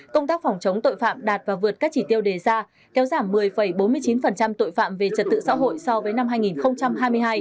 công tác phòng chống tội phạm đạt và vượt các chỉ tiêu đề ra kéo giảm một mươi bốn mươi chín tội phạm về trật tự xã hội so với năm hai nghìn hai mươi hai